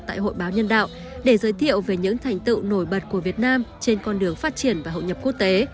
tại hội báo nhân đạo để giới thiệu về những thành tựu nổi bật của việt nam trên con đường phát triển và hậu nhập quốc tế